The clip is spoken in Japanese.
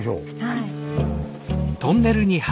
はい。